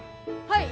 はい！